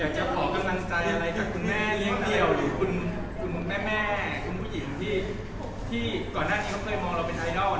จะขอกำลังใจอะไรกับคุณแม่เลี้ยงเดี่ยวหรือคุณแม่คุณผู้หญิงที่ก่อนหน้านี้เขาเคยมองเราเป็นไอดอล